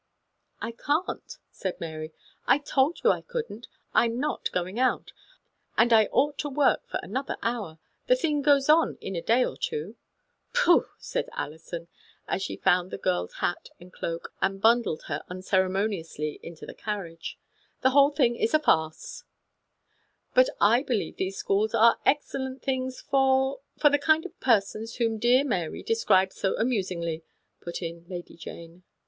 " I can't," said Mary. " I told you I couldn't. I'm not going out, and I ought to work for another hour. This thing goes in, in a fort night." " Pooh," said Alison, as she found the girl's hat and cloak, and bundled her unceremoni ously into the carriage ;" the whole thing is a farce." THE CENTRAL LONDON SCHOOL OF ART. 93 " But I believe these schools are excellent things for — for the kind of persons whom dear Mary describes so amusingly," put in Lady Jane.